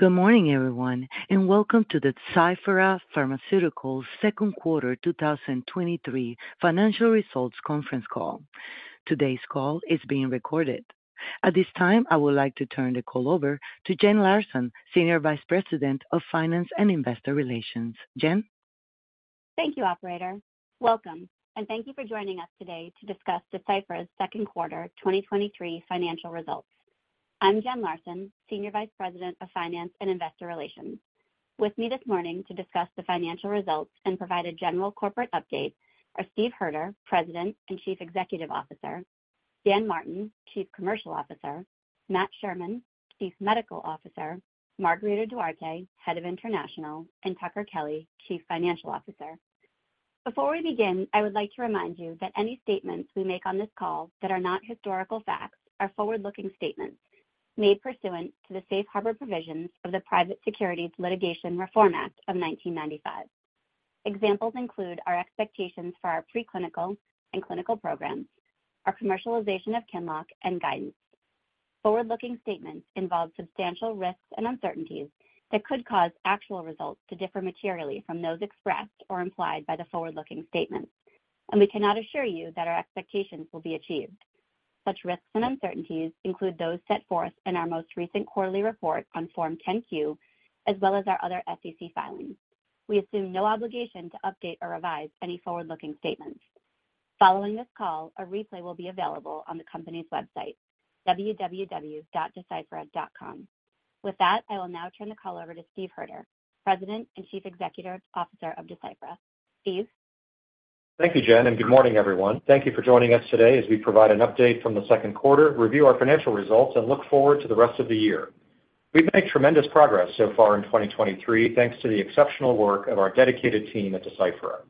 Good morning, everyone, and welcome to the Deciphera Pharmaceuticals second quarter 2023 financial results conference call. Today's call is being recorded. At this time, I would like to turn the call over to Jen Larson, Senior Vice President of Finance and Investor Relations. Jen? Thank you, operator. Welcome. Thank you for joining us today to discuss Deciphera's second quarter 2023 financial results. I'm Jen Larson, Senior Vice President of Finance and Investor Relations. With me this morning to discuss the financial results and provide a general corporate update are Steve Hoerter, President and Chief Executive Officer, Dan Martin, Chief Commercial Officer, Matt Sherman, Chief Medical Officer, Margarida Duarte, Head of International, and Tucker Kelly, Chief Financial Officer. Before we begin, I would like to remind you that any statements we make on this call that are not historical facts are forward-looking statements made pursuant to the Safe Harbor Provisions of the Private Securities Litigation Reform Act of 1995. Examples include our expectations for our preclinical and clinical programs, our commercialization of QINLOCK, and guidance. Forward-looking statements involve substantial risks and uncertainties that could cause actual results to differ materially from those expressed or implied by the forward-looking statements, and we cannot assure you that our expectations will be achieved. Such risks and uncertainties include those set forth in our most recent quarterly report on Form 10-Q, as well as our other SEC filings. We assume no obligation to update or revise any forward-looking statements. Following this call, a replay will be available on the company's website, www.deciphera.com. With that, I will now turn the call over to Steve Hoerter, President and Chief Executive Officer of Deciphera. Steve? Thank you, Jen. Good morning, everyone. Thank you for joining us today as we provide an update from the second quarter, review our financial results, and look forward to the rest of the year. We've made tremendous progress so far in 2023, thanks to the exceptional work of our dedicated team at Deciphera.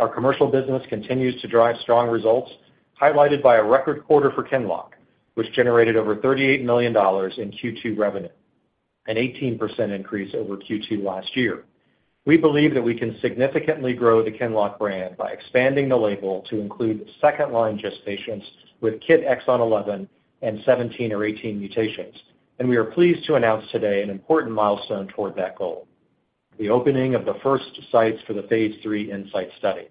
Our commercial business continues to drive strong results, highlighted by a record quarter for QINLOCK, which generated over $38 million in Q2 revenue, an 18% increase over Q2 last year. We believe that we can significantly grow the QINLOCK brand by expanding the label to include second-line GIST patients with KIT exon 11 and 17 or 18 mutations. We are pleased to announce today an important milestone toward that goal, the opening of the first sites for the Phase III INSIGHT study.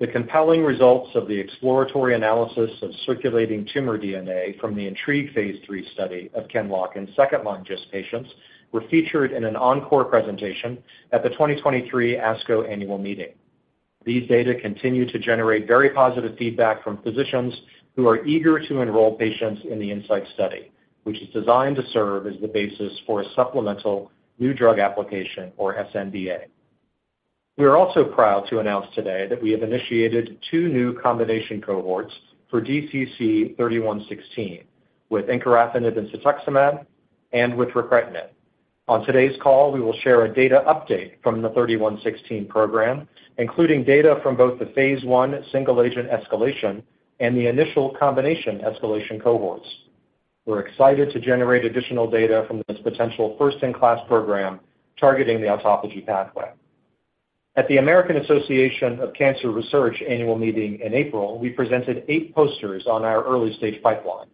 The compelling results of the exploratory analysis of circulating tumor DNA from the INTRIGUE Phase 3 study of QINLOCK in second-line GIST patients were featured in an encore presentation at the 2023 ASCO annual meeting. These data continue to generate very positive feedback from physicians who are eager to enroll patients in the INSIGHT study, which is designed to serve as the basis for a supplemental new drug application or sNDA. We are also proud to announce today that we have initiated two new combination cohorts for DCC-3116, with encorafenib and cetuximab and with ripretinib. On today's call, we will share a data update from the 3116 program, including data from both the Phase 1 single-agent escalation and the initial combination escalation cohorts. We're excited to generate additional data from this potential first-in-class program targeting the autophagy pathway. At the American Association for Cancer Research annual meeting in April, we presented eight posters on our early-stage pipeline,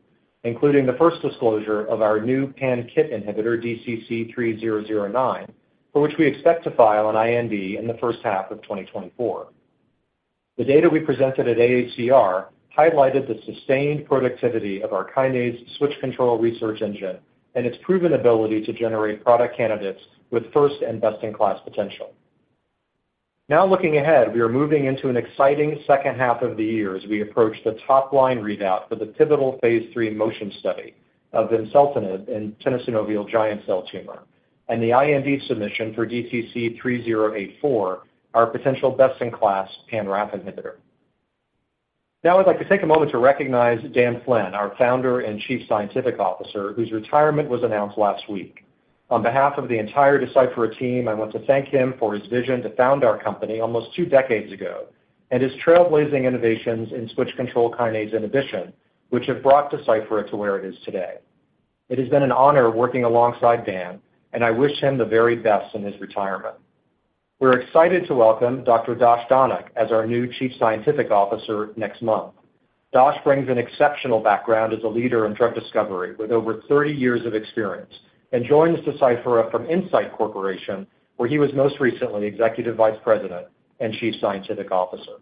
including the first disclosure of our new pan-KIT inhibitor, DCC-3009, for which we expect to file an IND in the first half of 2024. The data we presented at AACR highlighted the sustained productivity of our kinase switch-control research engine and its proven ability to generate product candidates with first and best-in-class potential. Looking ahead, we are moving into an exciting second half of the year as we approach the top-line readout for the pivotal Phase 3 MOTION study of vimseltinib in tenosynovial giant cell tumor and the IND submission for DCC-3084, our potential best-in-class pan-RAF inhibitor. I'd like to take a moment to recognize Dan Flynn, our Founder and Chief Scientific Officer, whose retirement was announced last week. On behalf of the entire Deciphera team, I want to thank him for his vision to found our company almost two decades ago and his trailblazing innovations in switch control kinase inhibition, which have brought Deciphera to where it is today. It has been an honor working alongside Dan, and I wish him the very best in his retirement. We're excited to welcome Dash Dhanak as our new Chief Scientific Officer next month. Dash brings an exceptional background as a leader in drug discovery with over 30 years of experience and joins Deciphera from Incyte Corporation, where he was most recently Executive Vice President and Chief Scientific Officer.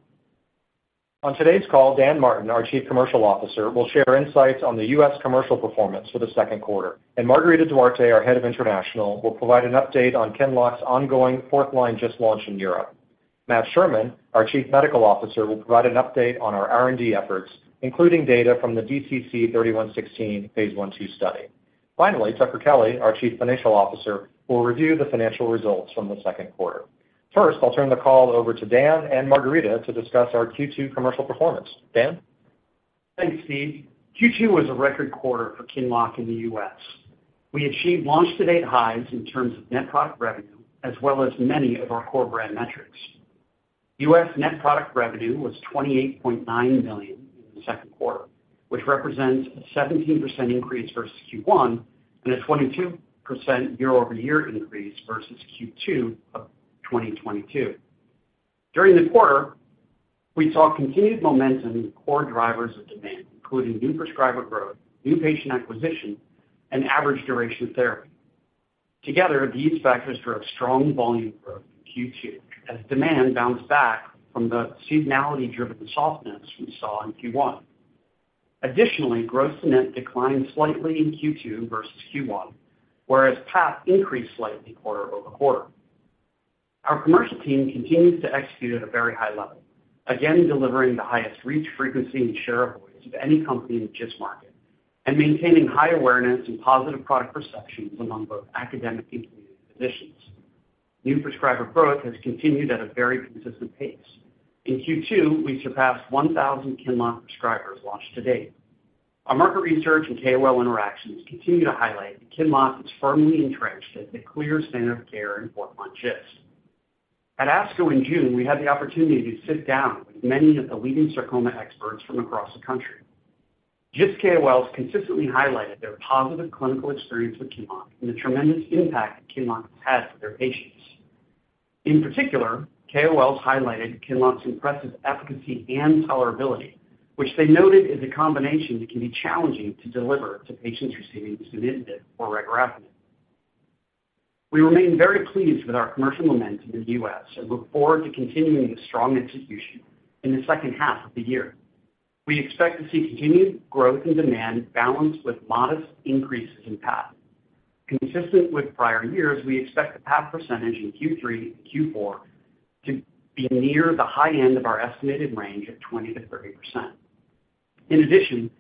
On today's call, Dan Martin, our Chief Commercial Officer, will share insights on the US commercial performance for the second quarter, and Margarida Duarte, our Head of International, will provide an update on QINLOCK's ongoing fourth-line GIST launch in Europe. Matt Sherman, our Chief Medical Officer, will provide an update on our R&D efforts, including data from the DCC-3116 Phase 1,2 study. Finally, Tucker Kelly, our Chief Financial Officer, will review the financial results from the second quarter. First, I'll turn the call over to Dan and Margarida to discuss our Q2 commercial performance. Dan? Thanks, Steve. Q2 was a record quarter for QINLOCK in the US. We achieved launch-to-date highs in terms of net product revenue, as well as many of our core brand metrics. US net product revenue was $28.9 million in the second quarter, which represents a 17% increase versus Q1 and a 22% year-over-year increase versus Q2 of 2022. During the quarter, we saw continued momentum in the core drivers of demand, including new prescriber growth, new patient acquisition, and average duration of therapy. Together, these factors drove strong volume growth in Q2, as demand bounced back from the seasonality-driven softness we saw in Q1. Additionally, gross-to-net declined slightly in Q2 versus Q1, whereas PAP increased slightly quarter-over-quarter. Our commercial team continues to execute at a very high level, again, delivering the highest reach, frequency, and share of voice of any company in the GIST market, and maintaining high awareness and positive product perceptions among both academic and community physicians. New prescriber growth has continued at a very consistent pace. In Q2, we surpassed 1,000 QINLOCK prescribers launched to date. Our market research and KOL interactions continue to highlight that QINLOCK is firmly entrenched as the clear standard of care in fourth-line GIST. At ASCO in June, we had the opportunity to sit down with many of the leading sarcoma experts from across the country. GIST KOLs consistently highlighted their positive clinical experience with QINLOCK and the tremendous impact that QINLOCK has had for their patients. In particular, KOLs highlighted QINLOCK's impressive efficacy and tolerability, which they noted is a combination that can be challenging to deliver to patients receiving sunitinib or regorafenib. We remain very pleased with our commercial momentum in the US and look forward to continuing the strong execution in the second half of the year. We expect to see continued growth in demand balanced with modest increases in PAP. Consistent with prior years, we expect the PAP percentage in Q3 and Q4 to be near the high end of our estimated range of 20%-30%. In addition,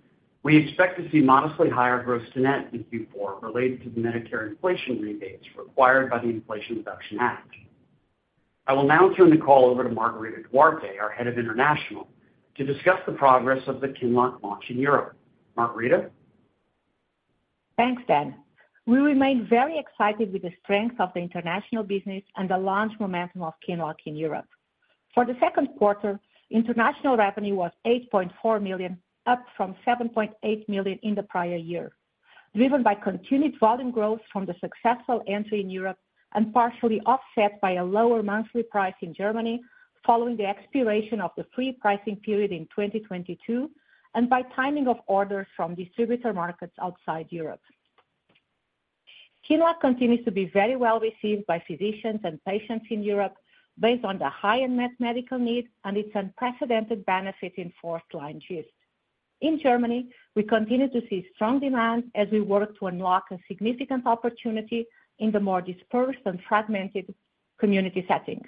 we expect to see modestly higher gross-to-net in Q4 related to the Medicare inflation rebates required by the Inflation Reduction Act. I will now turn the call over to Margarida Duarte, our Head of International, to discuss the progress of the QINLOCK launch in Europe. Margarida? Thanks, Dan. We remain very excited with the strength of the international business and the launch momentum of QINLOCK in Europe. For the second quarter, international revenue was $8.4 million, up from $7.8 million in the prior year, driven by continued volume growth from the successful entry in Europe, and partially offset by a lower monthly price in Germany following the expiration of the free pricing period in 2022, and by timing of orders from distributor markets outside Europe. QINLOCK continues to be very well received by physicians and patients in Europe, based on the high unmet medical need and its unprecedented benefit in fourth-line GIST. In Germany, we continue to see strong demand as we work to unlock a significant opportunity in the more dispersed and fragmented community settings.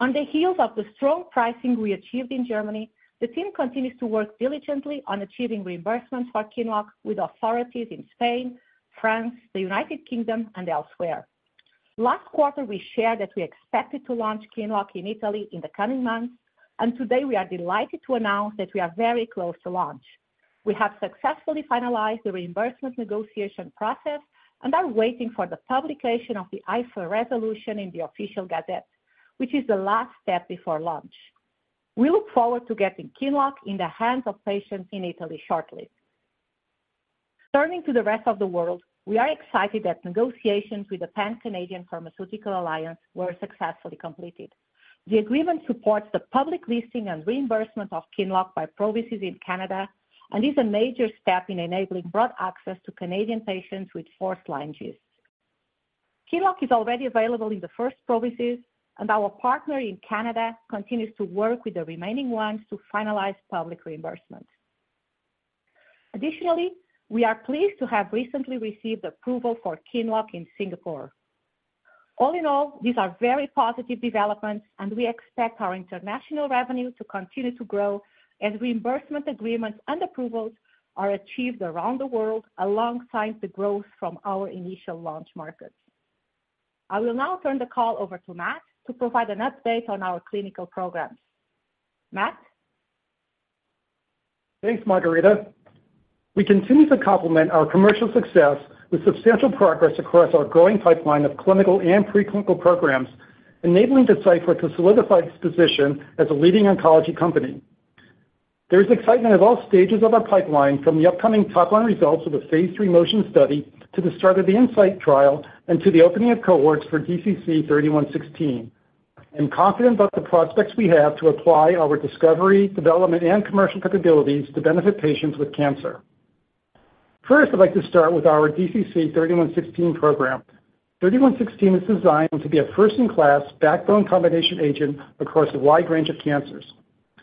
On the heels of the strong pricing we achieved in Germany, the team continues to work diligently on achieving reimbursement for QINLOCK with authorities in Spain, France, the United Kingdom, and elsewhere. Last quarter, we shared that we expected to launch QINLOCK in Italy in the coming months, and today we are delighted to announce that we are very close to launch. We have successfully finalized the reimbursement negotiation process and are waiting for the publication of the AIFA resolution in the Official Gazette, which is the last step before launch. We look forward to getting QINLOCK in the hands of patients in Italy shortly. Turning to the rest of the world, we are excited that negotiations with the Pan-Canadian Pharmaceutical Alliance were successfully completed. The agreement supports the public listing and reimbursement of QINLOCK by provinces in Canada and is a major step in enabling broad access to Canadian patients with fourth-line GIST. QINLOCK is already available in the first provinces, and our partner in Canada continues to work with the remaining ones to finalize public reimbursement. Additionally, we are pleased to have recently received approval for QINLOCK in Singapore. All in all, these are very positive developments, and we expect our international revenue to continue to grow as reimbursement agreements and approvals are achieved around the world, alongside the growth from our initial launch markets. I will now turn the call over to Matt to provide an update on our clinical programs. Matt? Thanks, Margarida. We continue to complement our commercial success with substantial progress across our growing pipeline of clinical and preclinical programs, enabling Deciphera to solidify its position as a leading oncology company. There is excitement at all stages of our pipeline, from the upcoming top-line results of the Phase III MOTION study, to the start of the INSIGHT trial, and to the opening of cohorts for DCC-3116. I'm confident about the prospects we have to apply our discovery, development, and commercial capabilities to benefit patients with cancer. First, I'd like to start with our DCC-3116 program. 3116 is designed to be a first-in-class backbone combination agent across a wide range of cancers.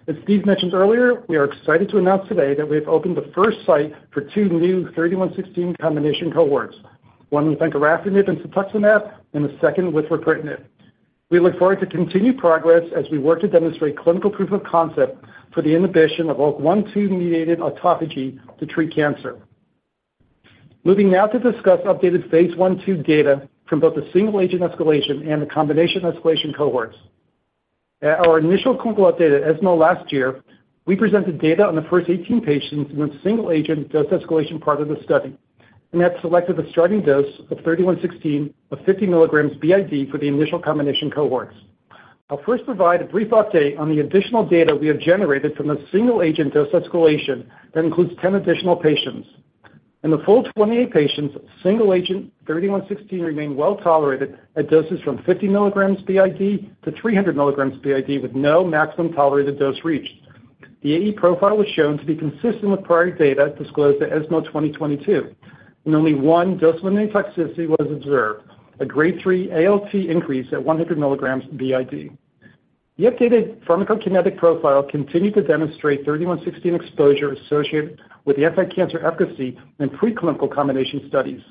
As Steve mentioned earlier, we are excited to announce today that we have opened the first site for two new 3116 combination cohorts, one with encorafenib and cetuximab, and the second with ripretinib. We look forward to continued progress as we work to demonstrate clinical proof of concept for the inhibition of ULK1/2-mediated autophagy to treat cancer. Moving now to discuss updated Phase 1, 2 data from both the single-agent escalation and the combination escalation cohorts. At our initial clinical update, as of last year, we presented data on the first 18 patients in the single-agent dose escalation part of the study and have selected a starting dose of 3116 of 50 milligrams BID for the initial combination cohorts. I'll first provide a brief update on the additional data we have generated from the single-agent dose escalation that includes 10 additional patients.... In the full 28 patients, single agent 3116 remained well tolerated at doses from 50 milligrams BID to 300 milligrams BID, with no maximum tolerated dose reached. The AE profile was shown to be consistent with prior data disclosed at ESMO 2022, and only one dose-limiting toxicity was observed, a grade three ALT increase at 100 mg BID. The updated pharmacokinetic profile continued to demonstrate 3116 exposure associated with the anti-cancer efficacy in preclinical combination studies.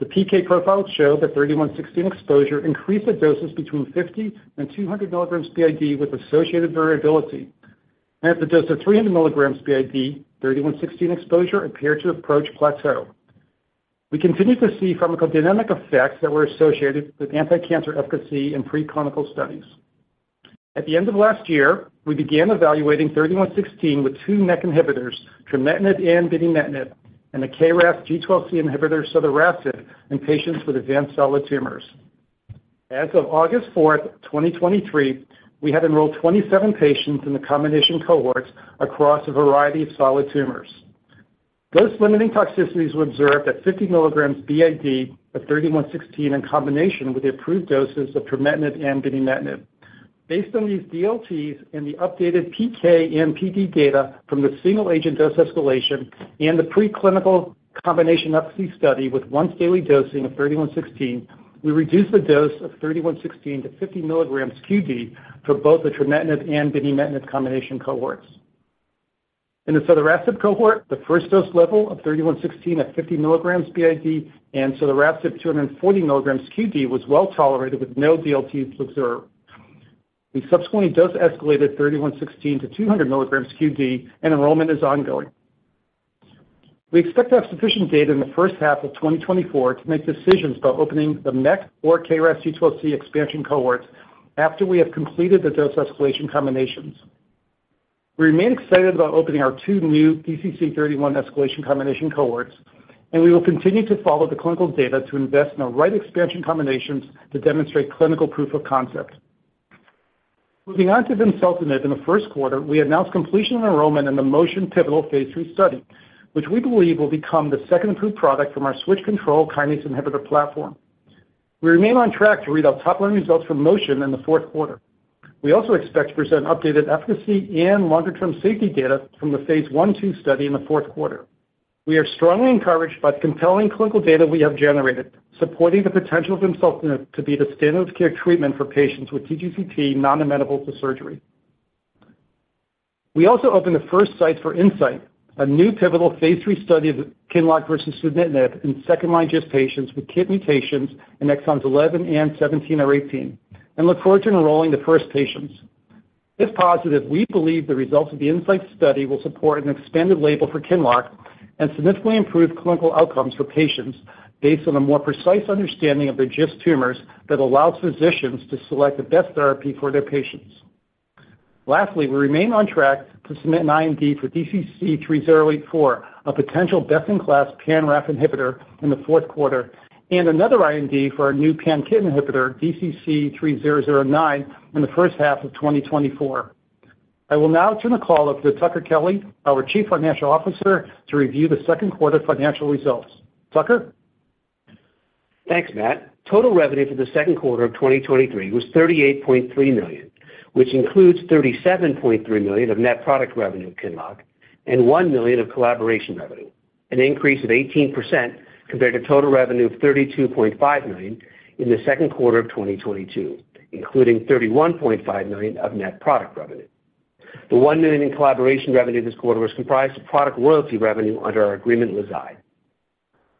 The PK profile showed that 3116 exposure increased the doses between 50 and 200 mg BID with associated variability. At the dose of 300 mg BID, 3116 exposure appeared to approach plateau. We continued to see pharmacodynamic effects that were associated with anti-cancer efficacy in preclinical studies. At the end of last year, we began evaluating 3116 with two MEK inhibitors, trametinib and binimetinib, and the KRAS G12C inhibitor sotorasib in patients with advanced solid tumors. As of 4th August 2023, we have enrolled 27 patients in the combination cohorts across a variety of solid tumors. Dose-limiting toxicities were observed at 50 milligrams BID of DCC-3116 in combination with the approved doses of trametinib and binimetinib. Based on these DLTs and the updated PK and PD data from the single-agent dose escalation and the preclinical combination efficacy study with once-daily dosing of DCC-3116, we reduced the dose of DCC-3116 to 50 milligrams QD for both the trametinib and binimetinib combination cohorts. In the sotorasib cohort, the first dose level of DCC-3116 at 50 milligrams BID and sotorasib 240 milligrams QD was well tolerated with no DLTs observed. We subsequently dose escalated DCC-3116 to 200 milligrams QD. Enrollment is ongoing. We expect to have sufficient data in the first half of 2024 to make decisions about opening the MEK or KRAS G12C expansion cohorts after we have completed the dose escalation combinations. We remain excited about opening our two new DCC 31 escalation combination cohorts, we will continue to follow the clinical data to invest in the right expansion combinations to demonstrate clinical proof of concept. Moving on to vimseltinib in the first quarter, we announced completion of enrollment in the MOTION pivotal Phase III study, which we believe will become the second approved product from our Switch-Control kinase inhibitor platform. We remain on track to read out top line results from MOTION in the fourth quarter. We also expect to present updated efficacy and longer-term safety data from the Phase I/II study in the fourth quarter. We are strongly encouraged by the compelling clinical data we have generated, supporting the potential of vimseltinib to be the standard of care treatment for patients with TGCT non-amenable to surgery. We also opened the first site for INSIGHT, a new pivotal Phase 3 study of QINLOCK versus sunitinib in second-line GIST patients with KIT mutations in exons 11 and 17 or 18, and look forward to enrolling the first patients. If positive, we believe the results of the INSIGHT study will support an expanded label for QINLOCK and significantly improve clinical outcomes for patients based on a more precise understanding of their GIST tumors that allows physicians to select the best therapy for their patients. Lastly, we remain on track to submit an IND for DCC-3084, a potential best-in-class pan-RAF inhibitor, in the fourth quarter, and another IND for our new pan-KIT inhibitor, DCC-3009, in the first half of 2024. I will now turn the call over to Tucker Kelly, our Chief Financial Officer, to review the second quarter financial results. Tucker? Thanks, Matt. Total revenue for the second quarter of 2023 was $38.3 million, which includes $37.3 million of net product revenue, QINLOCK, and $1 million of collaboration revenue, an increase of 18% compared to total revenue of $32.5 million in the second quarter of 2022, including $31.5 million of net product revenue. The $1 million in collaboration revenue this quarter was comprised of product royalty revenue under our agreement with Eisai.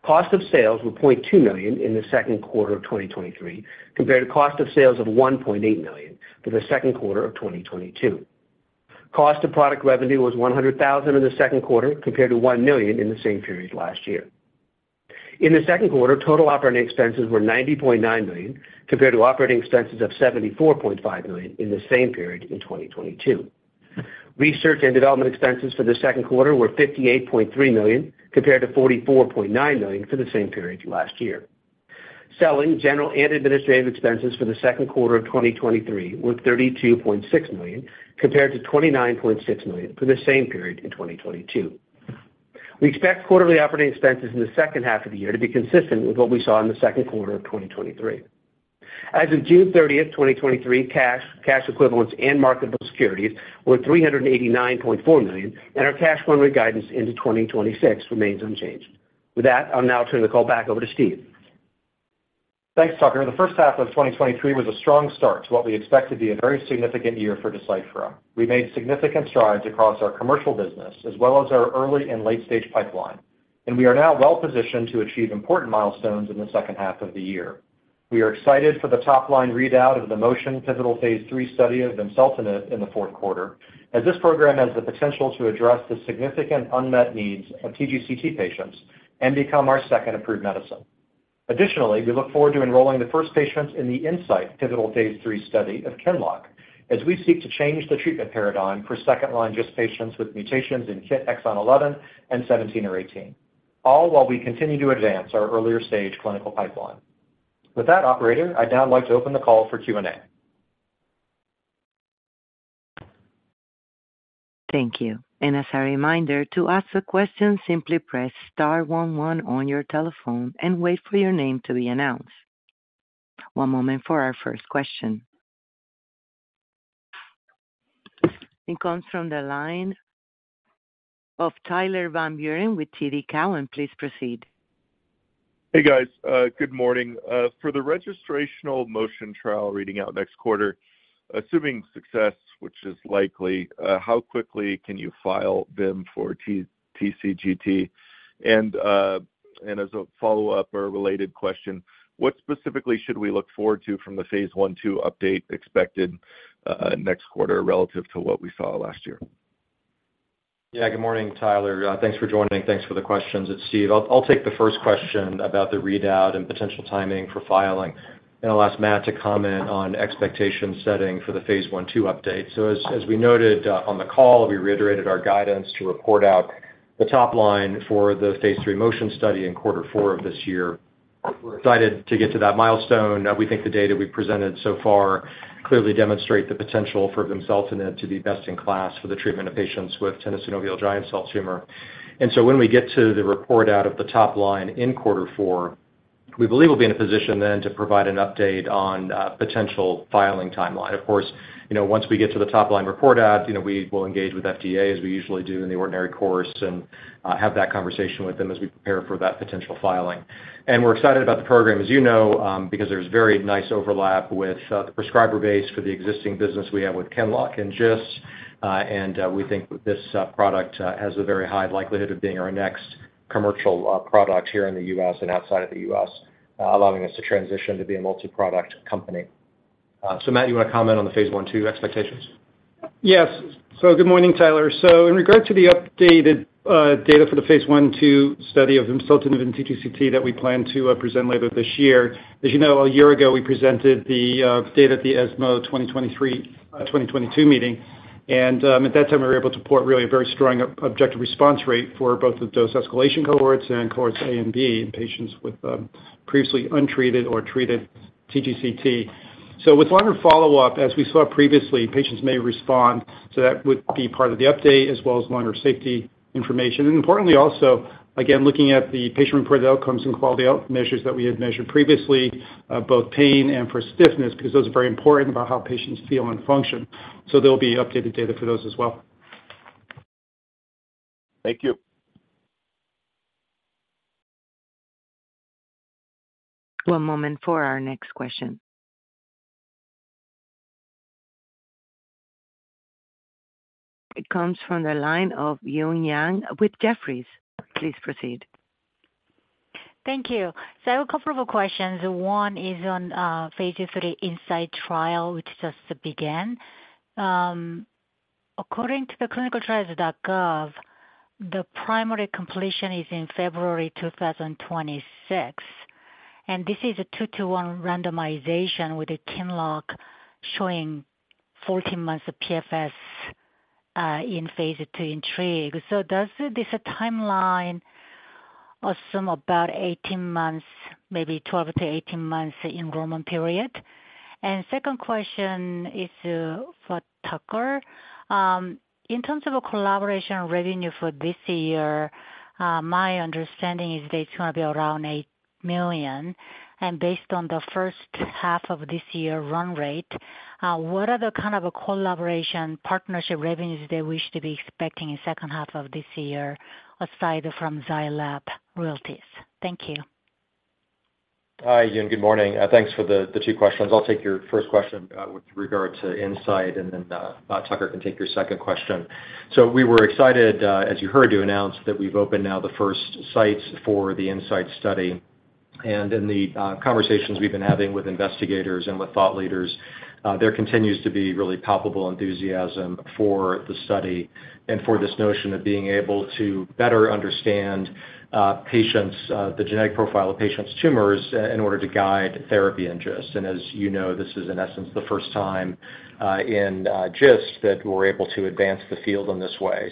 Cost of sales were $0.2 million in the second quarter of 2023, compared to cost of sales of $1.8 million for the second quarter of 2022. Cost of product revenue was $100,000 in the second quarter, compared to $1 million in the same period last year. In the second quarter, total operating expenses were $90.9 million, compared to operating expenses of $74.5 million in the same period in 2022. Research and development expenses for the second quarter were $58.3 million, compared to $44.9 million for the same period last year. Selling, general, and administrative expenses for the second quarter of 2023 were $32.6 million, compared to $29.6 million for the same period in 2022. We expect quarterly operating expenses in the second half of the year to be consistent with what we saw in the second quarter of 2023. As of 30th June, 2023, cash, cash equivalents, and marketable securities were $389.4 million, and our cash burn rate guidance into 2026 remains unchanged. With that, I'll now turn the call back over to Steve. Thanks, Tucker. The first half of 2023 was a strong start to what we expect to be a very significant year for Deciphera. We made significant strides across our commercial business, as well as our early and late-stage pipeline, and we are now well positioned to achieve important milestones in the second half of the year. We are excited for the top-line readout of the MOTION pivotal Phase 3 study of vimseltinib in the fourth quarter, as this program has the potential to address the significant unmet needs of TGCT patients and become our second approved medicine. Additionally, we look forward to enrolling the first patients in the INSIGHT pivotal Phase 3 study of QINLOCK, as we seek to change the treatment paradigm for second-line GIST patients with mutations in KIT exon 11 and 17 or 18, all while we continue to advance our earlier-stage clinical pipeline. With that, operator, I'd now like to open the call for Q&A. Thank you. As a reminder, to ask a question, simply press star one one on your telephone and wait for your name to be announced. One moment for our first question. It comes from the line of Tyler Van Buren with TD Cowen. Please proceed. Hey, guys. Good morning. For the registrational MOTION trial reading out next quarter, assuming success, which is likely, how quickly can you file them for TGCT? As a follow-up or related question, what specifically should we look forward to from the Phase 1, 2 update expected next quarter relative to what we saw last year? Yeah, good morning, Tyler. Thanks for joining. Thanks for the questions. It's Steve. I'll take the first question about the readout and potential timing for filing, and I'll ask Matt to comment on expectation setting for the Phase 1, 2 update. As we noted on the call, we reiterated our guidance to report out the top line for the Phase 3 MOTION study in Q4 of this year. We're excited to get to that milestone. We think the data we presented so far clearly demonstrate the potential for vimseltinib to be best in class for the treatment of patients with tenosynovial giant cell tumor. When we get to the report out of the top line in Q4, we believe we'll be in a position then to provide an update on potential filing timeline. Of course, you know, once we get to the top line report out, you know, we will engage with FDA, as we usually do in the ordinary course, and have that conversation with them as we prepare for that potential filing. We're excited about the program, as you know, because there's very nice overlap with the prescriber base for the existing business we have with QINLOCK and GIST. We think that this product has a very high likelihood of being our next commercial product here in the US and outside of the U.S., allowing us to transition to be a multi-product company. Matt, you want to comment on the Phase 1/2 expectations? Yes. Good morning, Tyler. In regard to the updated data for the Phase 1, 2 study of vimseltinib in TGCT that we plan to present later this year, as you know, a year ago, we presented the data at the ESMO 2022 meeting. At that time, we were able to report really a very strong objective response rate for both the dose escalation cohorts and cohorts A and B in patients with previously untreated or treated TGCT. With longer follow-up, as we saw previously, patients may respond, so that would be part of the update, as well as longer safety information. Importantly, also, again, looking at the patient-reported outcomes and quality out measures that we had measured previously, both pain and for stiffness, because those are very important about how patients feel and function. There'll be updated data for those as well. Thank you. One moment for our next question. It comes from the line of Eun Yang with Jefferies. Please proceed. Thank you. A couple of questions. One is on Phase 3 INSIGHT trial, which just began. According to the ClinicalTrials.gov, the primary completion is in February 2026, and this is a two-one randomization, with QINLOCK showing 14 months of PFS in Phase 2 INTRIGUE. Does this timeline assume about 18 months, maybe 12-18 months enrollment period? Second question is for Tucker. In terms of a collaboration revenue for this year, my understanding is that it's gonna be around $8 million, and based on the first half of this year run rate, what are the kind of collaboration partnership revenues they wish to be expecting in second half of this year, aside from Zai Lab royalties? Thank you. Hi, Eun. Good morning. Thanks for the, the two questions. I'll take your first question, with regard to INSIGHT, and then, Tucker can take your second question. We were excited, as you heard, to announce that we've opened now the first sites for the INSIGHT study. In the, conversations we've been having with investigators and with thought leaders, there continues to be really palpable enthusiasm for the study and for this notion of being able to better understand, patients, the genetic profile of patients' tumors in order to guide therapy interest. As you know, this is in essence the first time, in, GIST that we're able to advance the field in this way.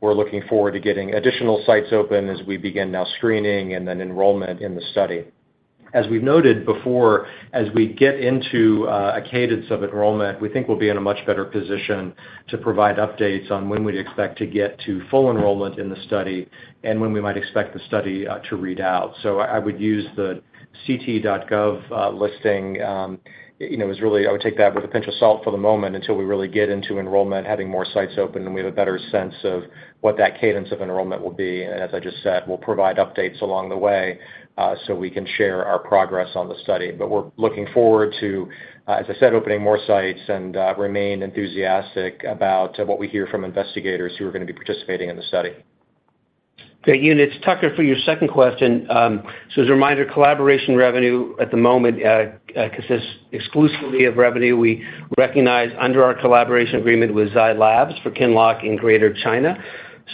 We're looking forward to getting additional sites open as we begin now screening and then enrollment in the study. We've noted before, as we get into a cadence of enrollment, we think we'll be in a much better position to provide updates on when we'd expect to get to full enrollment in the study and when we might expect the study to read out. I, I would use the ct.gov listing, you know, as really, I would take that with a pinch of salt for the moment until we really get into enrollment, having more sites open, and we have a better sense of what that cadence of enrollment will be. As I just said, we'll provide updates along the way, so we can share our progress on the study. We're looking forward to, as I said, opening more sites and remain enthusiastic about what we hear from investigators who are going to be participating in the study. Great, Eun. It's Tucker for your second question. As a reminder, collaboration revenue at the moment, consists exclusively of revenue we recognize under our collaboration agreement with Zai Lab for QINLOCK in Greater China.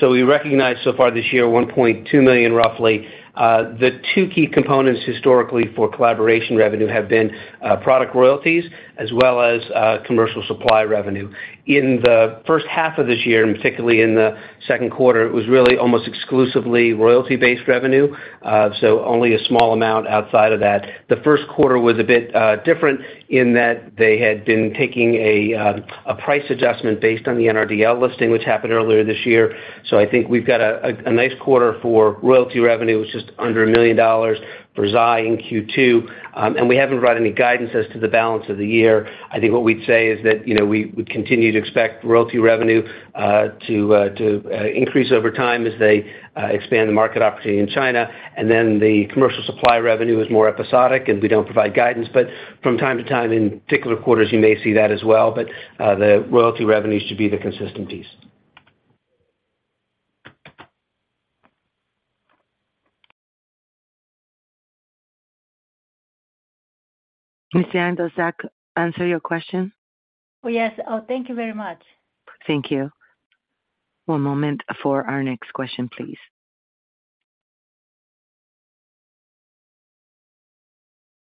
We recognize so far this year, $1.2 million, roughly. The two key components historically for collaboration revenue have been product royalties as well as commercial supply revenue. In the first half of this year, and particularly in the second quarter, it was really almost exclusively royalty-based revenue, so only a small amount outside of that. The first quarter was a bit different in that they had been taking a price adjustment based on the NRDL listing, which happened earlier this year. I think we've got a nice quarter for royalty revenue, which is under $1 million for Zai in Q2, and we haven't provided any guidance as to the balance of the year. I think what we'd say is that, you know, we would continue to expect royalty revenue to increase over time as they expand the market opportunity in China. Then the commercial supply revenue is more episodic, and we don't provide guidance, from time to time, in particular quarters, you may see that as well. The royalty revenue should be the consistent piece. Miss Yang, does that answer your question? Oh, yes. Oh, thank you very much. Thank you. One moment for our next question, please.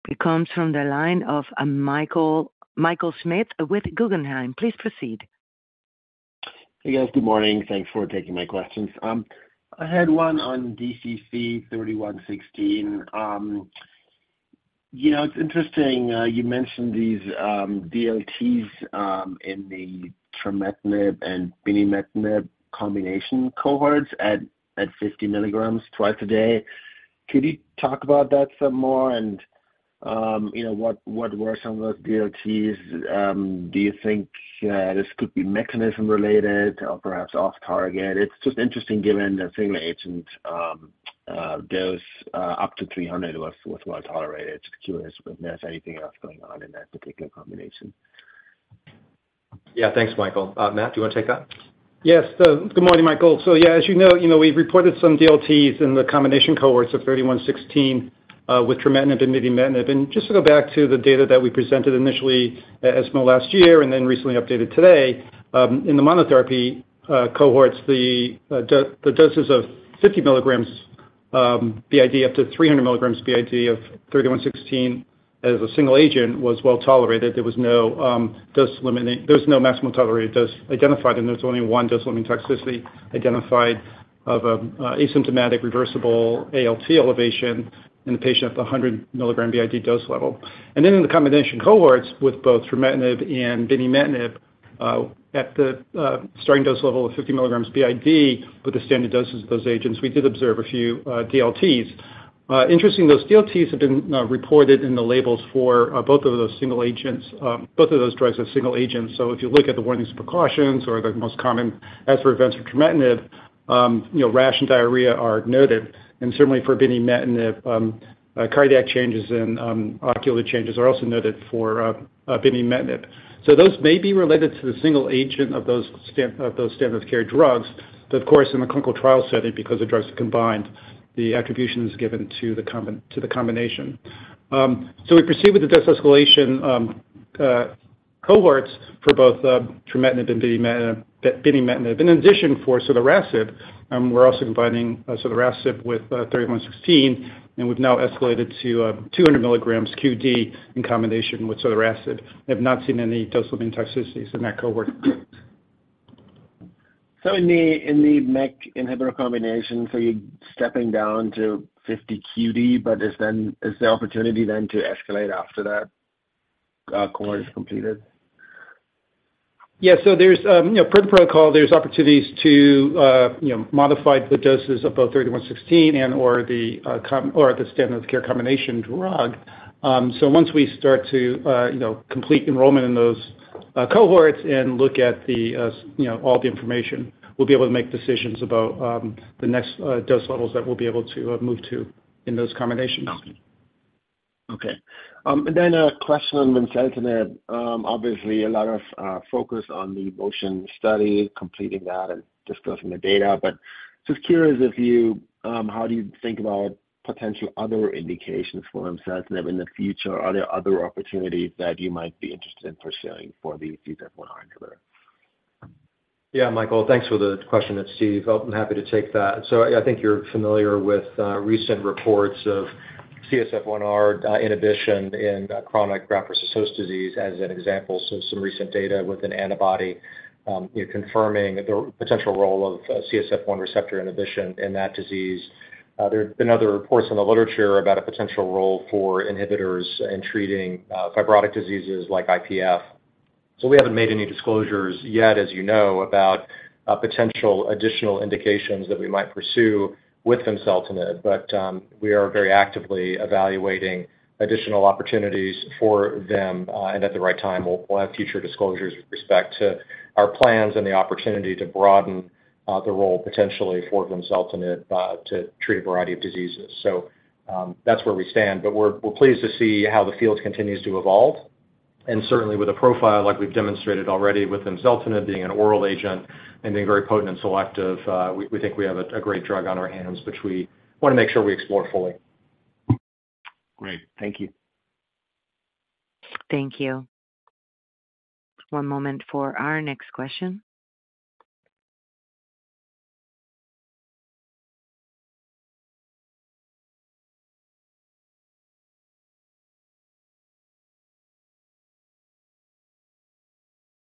It comes from the line of Michael Schmidt with Guggenheim. Please proceed. Hey, guys. Good morning. Thanks for taking my questions. I had one on DCC-3116. You know, it's interesting, you mentioned these DLTs in the trametinib and binimetinib combination cohorts at 50 milligrams twice a day. Could you talk about that some more? You know, what were some of those DLTs? Do you think this could be mechanism related or perhaps off target? It's just interesting, given the single agent dose up to 300 was well tolerated. Just curious if there's anything else going on in that particular combination. Yeah. Thanks, Michael. Matt, do you want to take that? Yes. Good morning, Michael. Yeah, as you know, you know, we've reported some DLTs in the combination cohorts of 3116 with trametinib and binimetinib. Just to go back to the data that we presented initially at ESMO last year and then recently updated today, in the monotherapy cohorts, the doses of 50 milligrams BID, up to 300 milligrams BID of 3116 as a single agent was well tolerated. There was no dose limiting. There was no maximum tolerated dose identified, and there's only one dose-limiting toxicity identified of asymptomatic reversible ALT elevation in the patient at the 100 milligram BID dose level. In the combination cohorts with both trametinib and binimetinib, at the starting dose level of 50 milligrams BID, with the standard doses of those agents, we did observe a few DLTs. Interesting, those DLTs have been reported in the labels for both of those single agents, both of those drugs as single agents. If you look at the warnings and precautions or the most common adverse events for trametinib, you know, rash and diarrhea are noted, and certainly for binimetinib, cardiac changes and ocular changes are also noted for binimetinib. Those may be related to the single agent of those standard of care drugs. Of course, in the clinical trial setting, because the drugs are combined, the attribution is given to the combination. We proceed with the dose escalation cohorts for both trametinib and binimetinib. In addition, for sotorasib, we're also combining sotorasib with DCC-3116, and we've now escalated to 200 milligrams QD in combination with sotorasib. We have not seen any dose-limiting toxicities in that cohort. In the, in the MEK inhibitor combination, so you're stepping down to 50 QD, but is the opportunity then to escalate after that, cohort is completed? Yeah. There's, you know, per protocol, there's opportunities to, you know, modify the doses of both DCC-3116 and or the standard of care combination drug. Once we start to, you know, complete enrollment in those cohorts and look at the, you know, all the information, we'll be able to make decisions about the next dose levels that we'll be able to move to in those combinations. Okay. Then a question on vimseltinib. Obviously a lot of focus on the MOTION Study, completing that and disclosing the data. Just curious if you, how do you think about potential other indications for vimseltinib in the future? Are there other opportunities that you might be interested in pursuing for the CSF1 receptor? Yeah, Michael, thanks for the question. It's Steve. I'm happy to take that. I think you're familiar with recent reports of CSF1R inhibition in chronic graft-versus-host disease, as an example. Some recent data with an antibody, confirming the potential role of CSF1 receptor inhibition in that disease. There have been other reports in the literature about a potential role for inhibitors in treating fibrotic diseases like IPF. We haven't made any disclosures yet, as you know, about potential additional indications that we might pursue with vimseltinib, but we are very actively evaluating additional opportunities for them. At the right time, we'll, we'll have future disclosures with respect to our plans and the opportunity to broaden the role potentially for vimseltinib to treat a variety of diseases. That's where we stand, but we're, we're pleased to see how the field continues to evolve. Certainly with a profile like we've demonstrated already with vimseltinib being an oral agent and being very potent and selective, we, we think we have a, a great drug on our hands, which we want to make sure we explore fully. Great. Thank you. Thank you. One moment for our next question.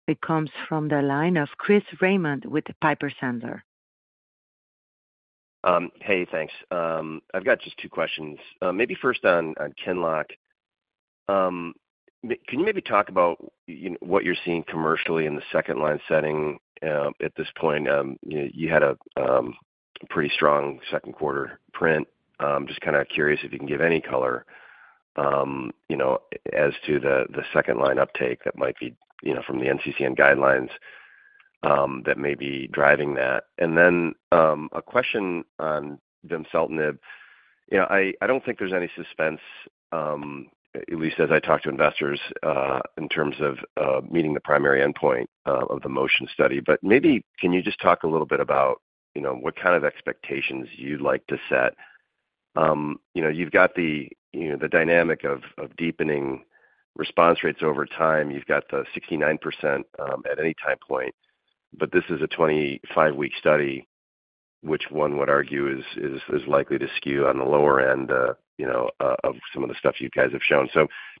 It comes from the line of Chris Raymond with Piper Sandler. Hey, thanks. I've got just two questions. Maybe first on QINLOCK. Can you maybe talk about, you know, what you're seeing commercially in the second-line setting at this point? You, you had a pretty strong second quarter print. Just kind of curious if you can give any color, you know, as to the, the second line uptake that might be, you know, from the NCCN guidelines that may be driving that. Then a question on vimseltinib. You know, I, I don't think there's any suspense, at least as I talk to investors, in terms of meeting the primary endpoint of the MOTION study. Maybe, can you just talk a little bit about, you know, what kind of expectations you'd like to set? you know, you've got the, you know, the dynamic of, of deepening response rates over time. You've got the 69%, at any time point, but this is a 25-week study, which one would argue is, is, is likely to skew on the lower end, you know, of some of the stuff you guys have shown.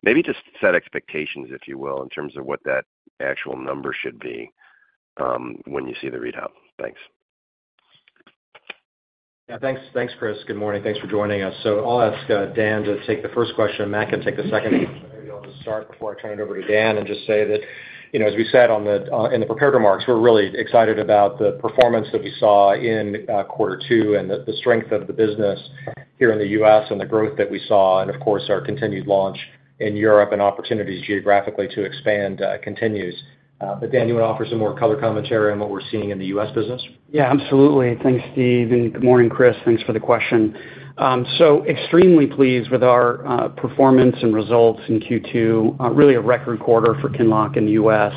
Maybe just set expectations, if you will, in terms of what that actual number should be, when you see the readout. Thanks. Yeah, thanks. Thanks, Chris. Good morning. Thanks for joining us. I'll ask Dan to take the first question, and Matt can take the second. Maybe I'll just start before I turn it over to Dan and just say that, you know, as we said on the in the prepared remarks, we're really excited about the performance that we saw in quarter two and the strength of the business here in the U.S. and the growth that we saw, and of course, our continued launch in Europe and opportunities geographically to expand continues. Dan, you want to offer some more color commentary on what we're seeing in the US business? Yeah, absolutely. Thanks, Steve, and good morning, Chris. Thanks for the question. Extremely pleased with our performance and results in Q2, really a record quarter for QINLOCK in the U.S.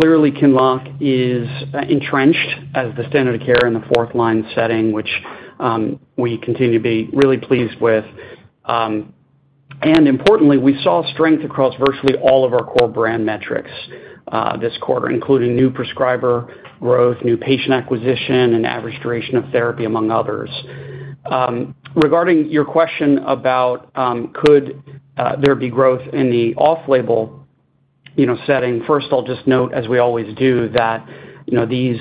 Clearly, QINLOCK is entrenched as the standard of care in the fourth-line setting, which we continue to be really pleased with. Importantly, we saw strength across virtually all of our core brand metrics this quarter, including new prescriber growth, new patient acquisition, and average duration of therapy, among others. Regarding your question about, could there be growth in the off-label, you know, setting? First, I'll just note, as we always do, that, you know, these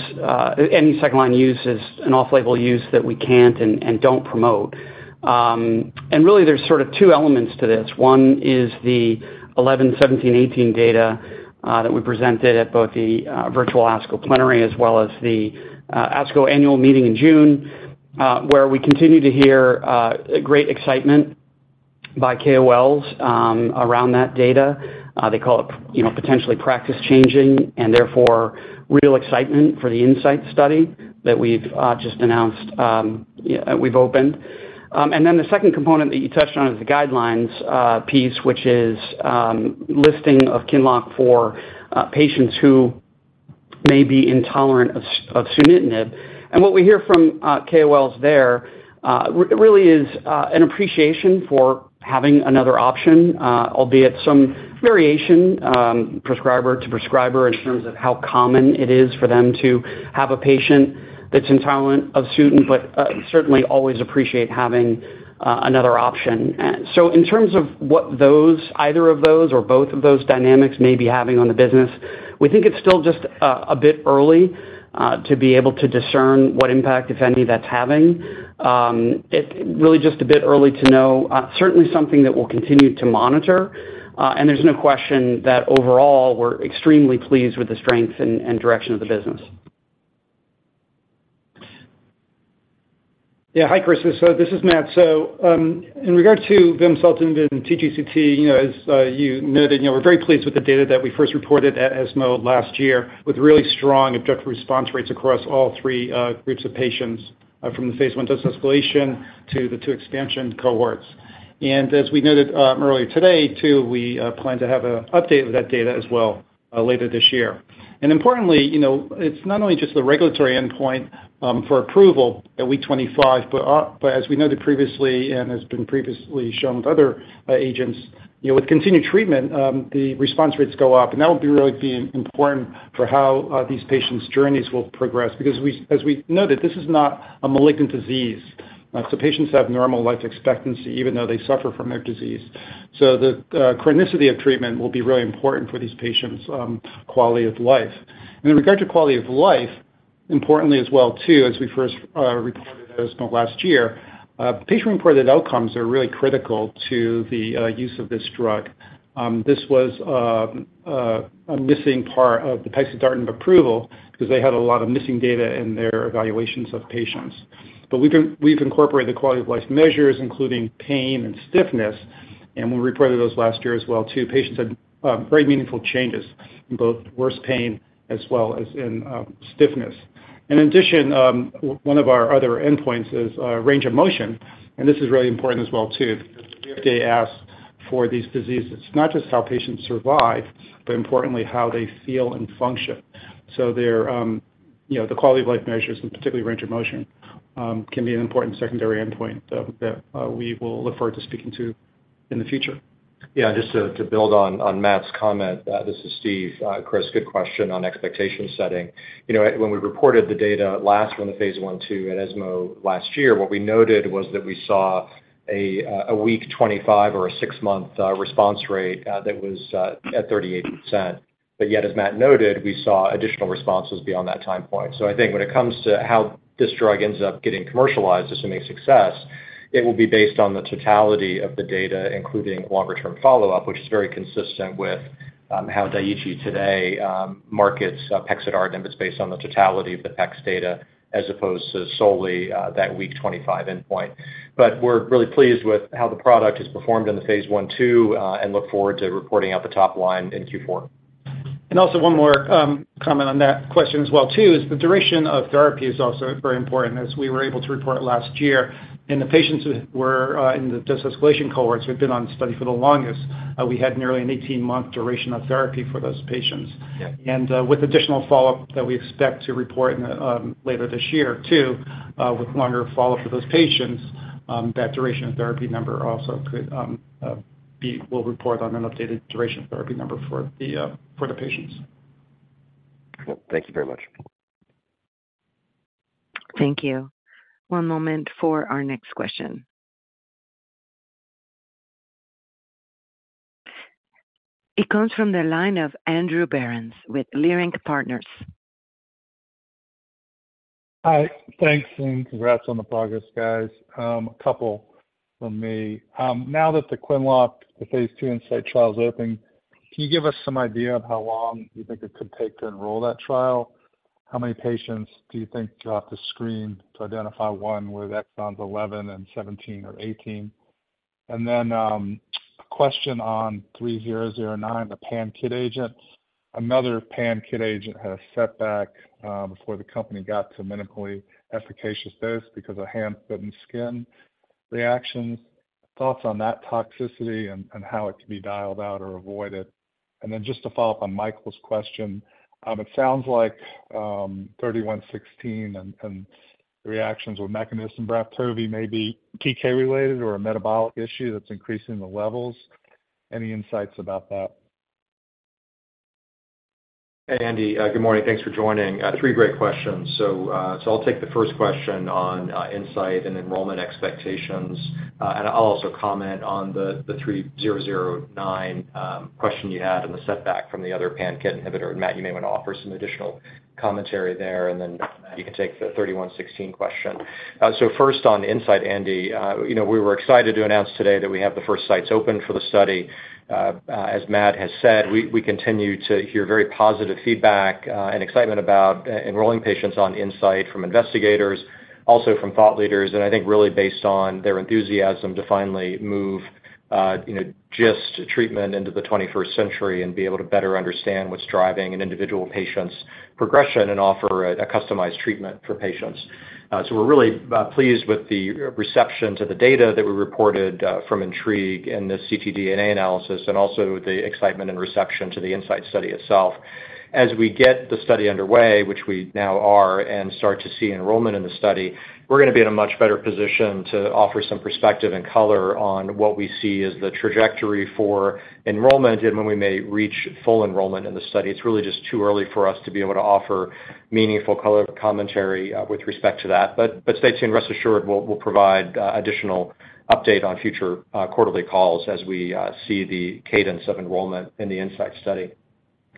any second-line use is an off-label use that we can't and don't promote. Really, there's sort of two elements to this. One is the 11, 17, 18 data, that we presented at both the virtual ASCO plenary as well as the ASCO annual meeting in June, where we continue to hear great excitement by KOLs, around that data. They call it, you know, potentially practice-changing, and therefore, real excitement for the INSIGHT study that we've just announced, yeah, we've opened. Then the second component that you touched on is the guidelines, piece, which is, listing of QINLOCK for patients who may be intolerant of sunitinib. What we hear from KOLs there, really is an appreciation for having another option, albeit some variation, prescriber to prescriber in terms of how common it is for them to have a patient that's intolerant of SUTENT, but certainly always appreciate having another option. In terms of what those, either of those or both of those dynamics may be having on the business, we think it's still just a bit early to be able to discern what impact, if any, that's having. It really just a bit early to know, certainly something that we'll continue to monitor, and there's no question that overall, we're extremely pleased with the strength and direction of the business. Yeah. Hi, Chris, this is Matt. In regard to vimseltinib and TGCT, you know, as you noted, you know, we're very pleased with the data that we first reported at ESMO last year, with really strong objective response rates across all three groups of patients, from the Phase I dose-escalation to the two expansion cohorts. As we noted, earlier today, too, we plan to have a update of that data as well later this year. Importantly, you know, it's not only just the regulatory endpoint for approval at week 25, but as we noted previously and has been previously shown with other agents, you know, with continued treatment, the response rates go up, and that would be really be important for how these patients' journeys will progress. As we noted, this is not a malignant disease. Patients have normal life expectancy even though they suffer from their disease. The chronicity of treatment will be really important for these patients' quality of life. In regard to quality of life, importantly as well, too, as we first reported at ESMO last year, patient-reported outcomes are really critical to the use of this drug. This was a missing part of the pexidartinib approval because they had a lot of missing data in their evaluations of patients. We've incorporated the quality-of-life measures, including pain and stiffness, and we reported those last year as well too. Patients had very meaningful changes in both worse pain as well as in stiffness. In addition, one of our other endpoints is range of motion. This is really important as well too, because the FDA asks for these diseases, not just how patients survive, but importantly, how they feel and function. They're, you know, the quality of life measures, and particularly range of motion, can be an important secondary endpoint that, that we will look forward to speaking to in the future. Yeah, just to, to build on, on Matt's comment, this is Steve. Chris, good question on expectation setting. You know, when we reported the data last from the Phase 1/2 at ESMO last year, what we noted was that we saw a week 25 or a six-month response rate that was at 38%. Yet, as Matt noted, we saw additional responses beyond that time point. I think when it comes to how this drug ends up getting commercialized, assuming success, it will be based on the totality of the data, including longer-term follow-up, which is very consistent with how Daiichi Sankyo today markets pexidartinib. It's based on the totality of the PEX data as opposed to solely that week 25 endpoint. We're really pleased with how the product has performed in the Phase 1/2 and look forward to reporting out the top line in Q4. Also one more comment on that question as well, too, is the duration of therapy is also very important. As we were able to report last year, in the patients who were in the dose escalation cohorts, who had been on the study for the longest, we had nearly an 18-month duration of therapy for those patients. Yeah. With additional follow-up that we expect to report in, later this year, too, with longer follow-up for those patients, that duration of therapy number also could, we'll report on an updated duration of therapy number for the, for the patients. Thank you very much. Thank you. One moment for our next question. It comes from the line of Andrew Berens with Leerink Partners. Hi, thanks. Congrats on the progress, guys. A couple from me. Now that the QINLOCK, the Phase II INSIGHT trial is open, can you give us some idea of how long you think it could take to enroll that trial? How many patients do you think you'll have to screen to identify one with exons 11 and 17 or 18? A question on DCC-3009, the pan-KIT agent. Another pan-KIT agent had a setback before the company got to medically efficacious dose because of hand-foot skin reactions. Thoughts on that toxicity and how it can be dialed out or avoided? Just to follow up on Michael's question, it sounds like DCC-3116 and the reactions with MEKTOVI BRAFTOVI may be TK related or a metabolic issue that's increasing the levels. Any insights about that? Hey, Andy, good morning. Thanks for joining. three great questions. I'll take the first question on INSIGHT and enrollment expectations, and I'll also comment on the DCC-3009 question you had on the setback from the other pan-KIT inhibitor. Matt, you may want to offer some additional commentary there, and then you can take the 3116 question. First on INSIGHT, Andy, you know, we were excited to announce today that we have the first sites open for the study. As Matt has said, we, we continue to hear very positive feedback and excitement about enrolling patients on INSIGHT from investigators, also from thought leaders, and I think really based on their enthusiasm to finally move, you know, GIST treatment into the 21st century and be able to better understand what's driving an individual patient's progression and offer a, a customized treatment for patients. So we're really pleased with the reception to the data that we reported from INTRIGUE and the ctDNA analysis, and also the excitement and reception to the INSIGHT study itself. As we get the study underway, which we now are, and start to see enrollment in the study, we're gonna be in a much better position to offer some perspective and color on what we see as the trajectory for enrollment and when we may reach full enrollment in the study. It's really just too early for us to be able to offer meaningful color commentary with respect to that. Stay tuned, rest assured, we'll, we'll provide additional update on future quarterly calls as we see the cadence of enrollment in the INSIGHT study.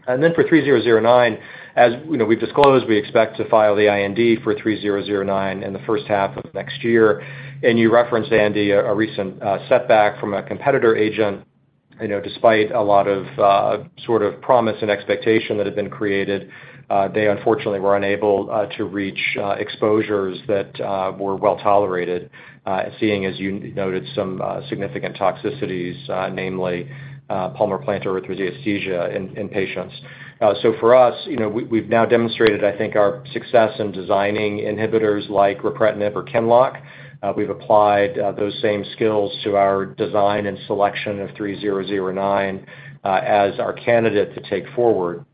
Then for 3009, as you know, we've disclosed, we expect to file the IND for 3009 in the first half of next year. You referenced, Andy, a recent setback from a competitor agent. You know, despite a lot of, sort of promise and expectation that had been created, they unfortunately were unable to reach exposures that were well tolerated, seeing, as you noted, some significant toxicities, namely, palmar-plantar erythrodysesthesia in, in patients. For us, you know, we, we've now demonstrated, I think, our success in designing inhibitors like ripretinib or QINLOCK. We've applied those same skills to our design and selection of DCC-3009 as our candidate to take forward.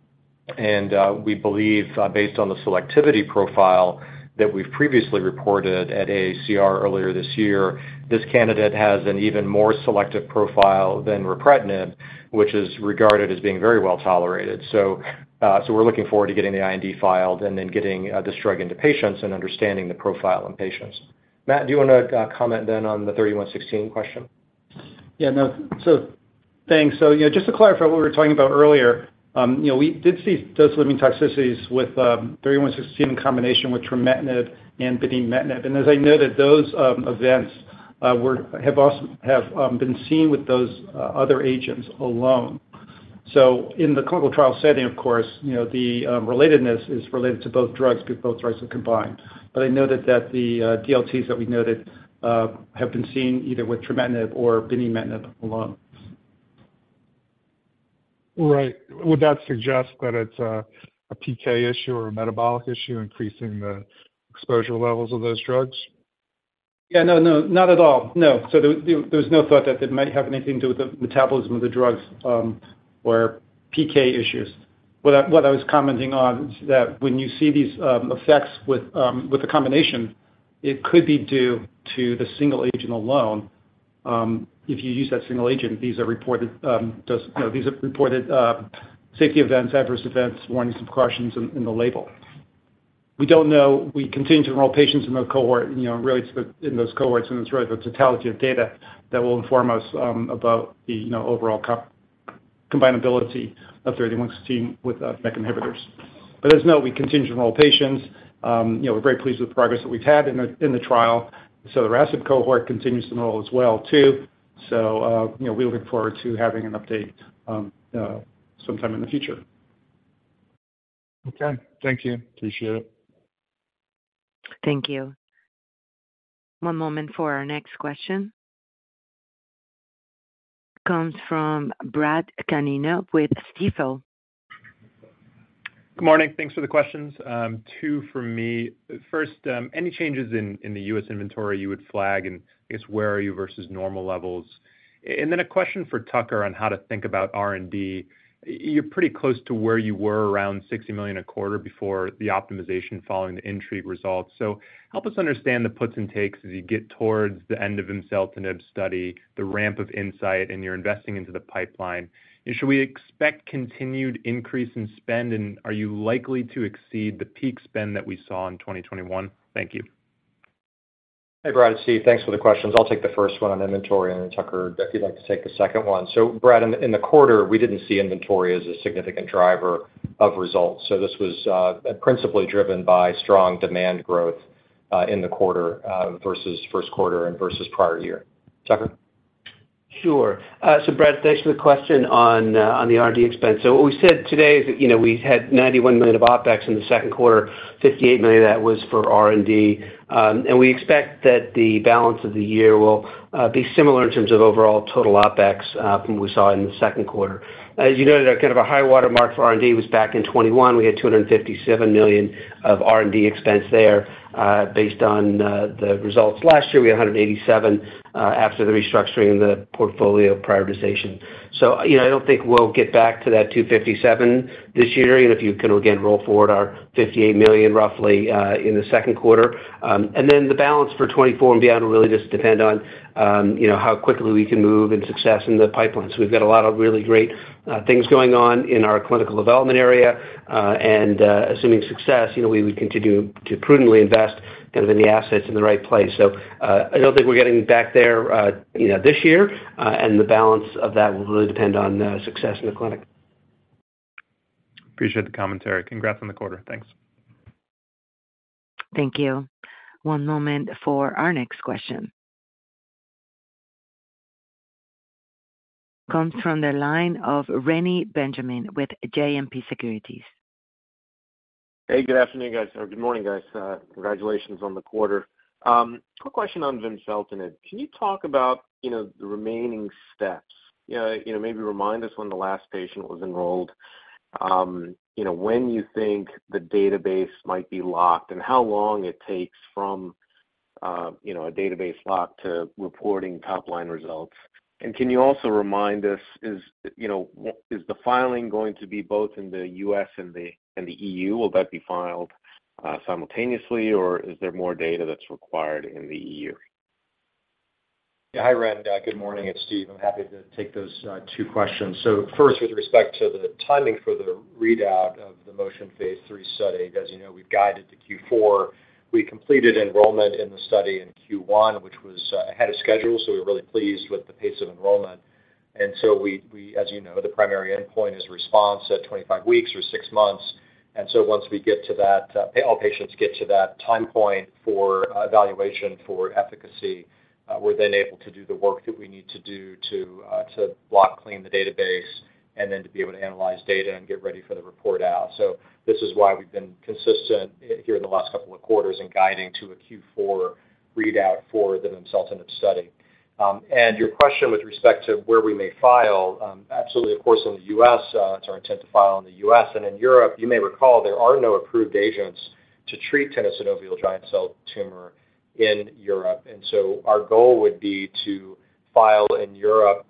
We believe, based on the selectivity profile that we've previously reported at AACR earlier this year, this candidate has an even more selective profile than ripretinib, which is regarded as being very well tolerated. We're looking forward to getting the IND filed and then getting this drug into patients and understanding the profile in patients. Matt, do you wanna comment then on the DCC-3116 question? Yeah, no. Thanks. You know, just to clarify what we were talking about earlier, you know, we did see those living toxicities with 3116 in combination with Trametinib and Binimetinib. As I noted, those events have also been seen with those other agents alone. In the clinical trial setting, of course, you know, the relatedness is related to both drugs, because both drugs are combined. I noted that the DLTs that we noted have been seen either with Trametinib or Binimetinib alone. Right. Would that suggest that it's a, a PK issue or a metabolic issue, increasing the exposure levels of those drugs? Yeah, no not at all. No. There, there, there was no thought that it might have anything to do with the metabolism of the drugs, or PK issues. What I, what I was commenting on is that when you see these, effects with, with the combination, it could be due to the single agent alone. If you use that single agent, these are reported, you know, these are reported, safety events, adverse events, warnings, and precautions in, in the label. We don't know. We continue to enroll patients in the cohort, you know, really in those cohorts, and it's really the totality of data that will inform us, about the, you know, overall combinability of 3116 with, MEK inhibitors. As you know, we continue to enroll patients. You know, we're very pleased with the progress that we've had in the, in the trial. The RAS/MAPK cohort continues to enroll as well, too. You know, we look forward to having an update sometime in the future. Okay. Thank you. Appreciate it. Thank you. One moment for our next question. Comes from Bradley Canino with Stifel. Good morning. Thanks for the questions. Two for me. First, any changes in, in the U.S. inventory you would flag, and I guess, where are you versus normal levels? Then a question for Tucker on how to think about R&D. You're pretty close to where you were around $60 million a quarter before the optimization following the INTRIGUE results. Help us understand the puts and takes as you get towards the end of vimseltinib study, the ramp of INSIGHT, and you're investing into the pipeline. Should we expect continued increase in spend, and are you likely to exceed the peak spend that we saw in 2021? Thank you. Hey, Brad, it's Steve. Thanks for the questions. I'll take the first one on inventory, and then Tucker, if you'd like to take the second one. Brad, in the quarter, we didn't see inventory as a significant driver of results. This was principally driven by strong demand growth in the quarter versus first quarter and versus prior year. Tucker? Sure. Brad, thanks for the question on the R&D expense. What we said today is that, you know, we had $91 million of OpEx in the second quarter, $58 million that was for R&D. We expect that the balance of the year will be similar in terms of overall total OpEx from what we saw in the second quarter. As you noted, our kind of a high watermark for R&D was back in 2021. We had $257 million of R&D expense there, based on the results. Last year, we had $187 million after the restructuring and the portfolio prioritization. You know, I don't think we'll get back to that $257 million this year, even if you can again roll forward our $58 million, roughly, in the second quarter. Then the balance for 2024 and beyond will really just depend on, you know, how quickly we can move and success in the pipeline. We've got a lot of really great things going on in our clinical development area. Assuming success, you know, we would continue to prudently invest kind of in the assets in the right place. I don't think we're getting back there, you know, this year, and the balance of that will really depend on success in the clinic. Appreciate the commentary. Congrats on the quarter. Thanks. Thank you. One moment for our next question. Comes from the line of Reni Benjamin with JMP Securities. Hey, good afternoon, guys. Or good morning, guys. Congratulations on the quarter. Quick question on Vimseltinib. Can you talk about, you know, the remaining steps? You know, maybe remind us when the last patient was enrolled, you know, when you think the database might be locked and how long it takes from, you know, a database lock to reporting top-line results. Can you also remind us, is, you know, is the filing going to be both in the U.S. and the, and the EU? Will that be filed simultaneously, or is there more data that's required in the EU? Yeah. Hi, Reni. Good morning. It's Steve. I'm happy to take those, two questions. First, with respect to the timing for the readout of the MOTION Phase 3 study, as you know, we've guided to Q4. We completed enrollment in the study in Q1, which was ahead of schedule, so we're really pleased with the pace of enrollment. We, we, as you know, the primary endpoint is response at 25 weeks or six months. Once we get to that, all patients get to that time point for evaluation for efficacy, we're then able to do the work that we need to do to block, clean the database and then to be able to analyze data and get ready for the report out. This is why we've been consistent here in the last couple of quarters in guiding to a Q4 readout for the vimseltinib study. Your question with respect to where we may file, absolutely, of course, in the U.S., it's our intent to file in the U.S. In Europe, you may recall there are no approved agents to treat tenosynovial giant cell tumor in Europe, our goal would be to file in Europe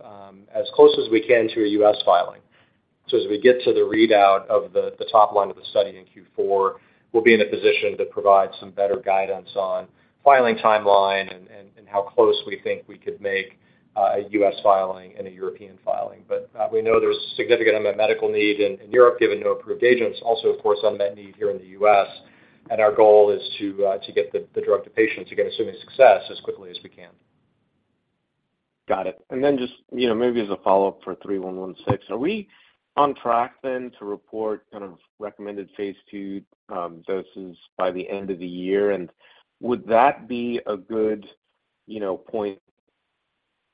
as close as we can to a U.S. filing. As we get to the readout of the top line of the study in Q4, we'll be in a position to provide some better guidance on filing timeline and how close we think we could make a U.S. filing and a European filing. We know there's significant medical need in, in Europe, given no approved agents. Also, of course, unmet need here in the U.S., and our goal is to get the drug to patients, again, assuming success as quickly as we can. Got it. Just, you know, maybe as a follow-up for 3116, are we on track then to report kind of recommended Phase 2 doses by the end of the year? Would that be a good, you know, point,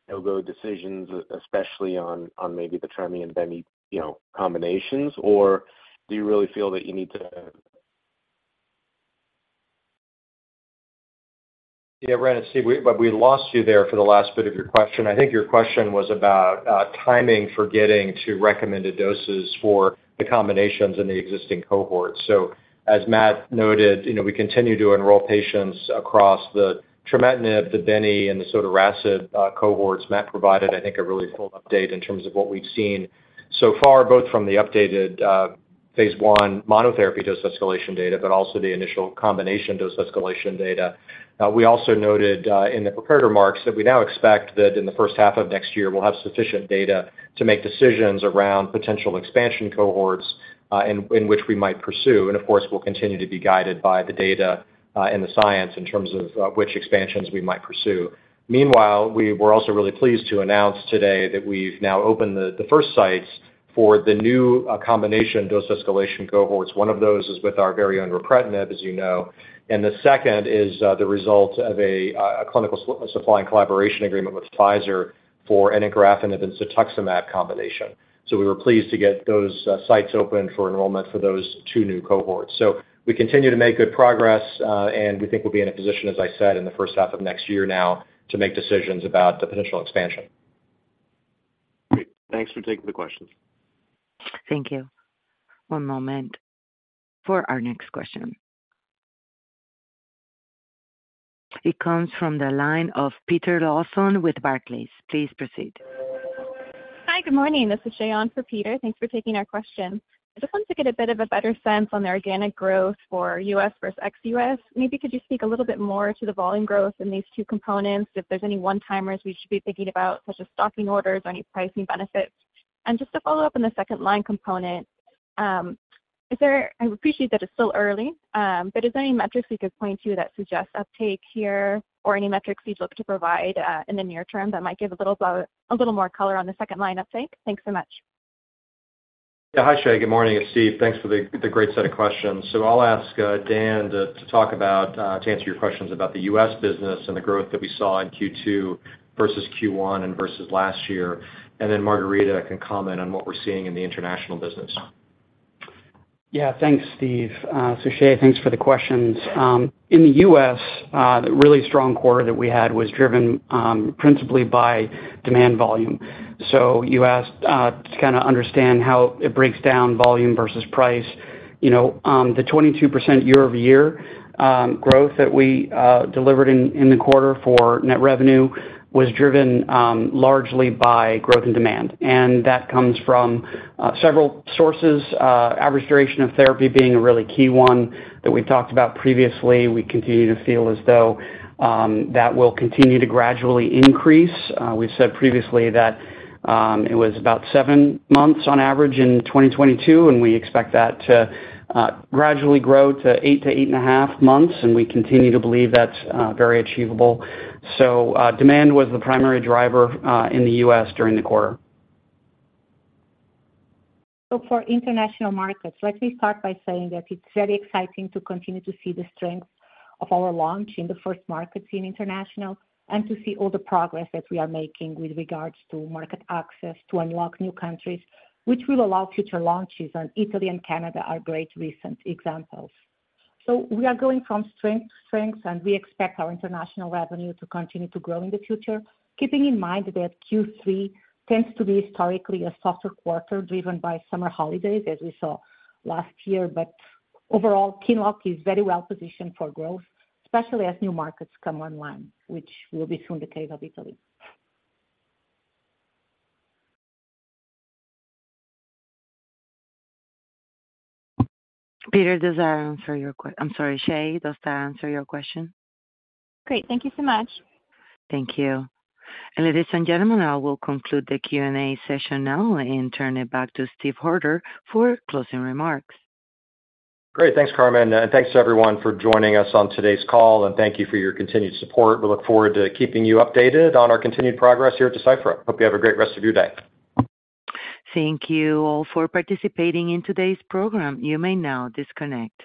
you know, go decisions, especially on, on maybe the trametinib and binimetinib, you know, combinations, or do you really feel that you need to... Yeah, Brandon, Steve, we, but we lost you there for the last bit of your question. I think your question was about timing for getting to recommended doses for the combinations in the existing cohorts. As Matt noted, you know, we continue to enroll patients across the trametinib, the binimetinib, and the sotorasib cohorts. Matt provided, I think, a really full update in terms of what we've seen so far, both from the updated Phase I monotherapy dose escalation data, but also the initial combination dose escalation data. We also noted in the prepared remarks that we now expect that in the first half of next year, we'll have sufficient data to make decisions around potential expansion cohorts in which we might pursue. Of course, we'll continue to be guided by the data and the science in terms of which expansions we might pursue. Meanwhile, we were also really pleased to announce today that we've now opened the first sites for the new combination dose escalation cohorts. One of those is with our very own ripretinib, as you know, and the second is the result of a clinical supply and collaboration agreement with Pfizer for encorafenib and cetuximab combination. We were pleased to get those sites open for enrollment for those two new cohorts. We continue to make good progress, and we think we'll be in a position, as I said, in the first half of next year now, to make decisions about the potential expansion. Great. Thanks for taking the questions. Thank you. One moment for our next question. It comes from the line of Peter Lawson with Barclays. Please proceed. Hi, good morning. This is Shaugn for Peter. Thanks for taking our question. I just wanted to get a bit of a better sense on the organic growth for US versus ex-US. Maybe could you speak a little bit more to the volume growth in these two components, if there's any one-timers we should be thinking about, such as stocking orders or any pricing benefits? And just to follow up on the second-line component, is there I appreciate that it's still early, but is there any metrics you could point to that suggests uptake here, or any metrics you'd look to provide in the near term that might give a little about, a little more color on the second-line uptake? Thanks so much. Yeah. Hi, Shaugn. Good morning. It's Steve. Thanks for the, the great set of questions. I'll ask Dan to talk about to answer your questions about the US business and the growth that we saw in Q2 versus Q1 and versus last year, and then Margarida can comment on what we're seeing in the international business. Yeah. Thanks, Steve. Shay, thanks for the questions. In the U.S., the really strong quarter that we had was driven principally by demand volume. You asked to kinda understand how it breaks down volume versus price. You know, the 22% year-over-year growth that we delivered in the quarter for net revenue was driven largely by growth and demand, and that comes from several sources, average duration of therapy being a really key one that we talked about previously. We continue to feel as though that will continue to gradually increase. We've said previously that it was about seven months on average in 2022, and we expect that to gradually grow to eight to eight and a half months, and we continue to believe that's very achievable. Demand was the primary driver in the U.S. during the quarter. For international markets, let me start by saying that it's very exciting to continue to see the strength of our launch in the first markets in international, and to see all the progress that we are making with regards to market access, to unlock new countries, which will allow future launches, and Italy and Canada are great recent examples. We are going from strength to strength, and we expect our international revenue to continue to grow in the future, keeping in mind that Q3 tends to be historically a softer quarter, driven by summer holidays, as we saw last year. Overall, QINLOCK is very well positioned for growth, especially as new markets come online, which will be soon the case of Italy. Peter, does that answer your que-. I'm sorry, Shaugn, does that answer your question? Great. Thank you so much. Thank you. Ladies and gentlemen, I will conclude the Q&A session now and turn it back to Steve Hoerter for closing remarks. Great. Thanks, Karmen, and thanks to everyone for joining us on today's call, and thank you for your continued support. We look forward to keeping you updated on our continued progress here at Deciphera. Hope you have a great rest of your day. Thank you all for participating in today's program. You may now disconnect.